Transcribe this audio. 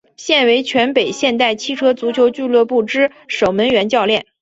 现为全北现代汽车足球俱乐部之守门员教练。